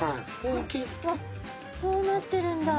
わっわっそうなってるんだ。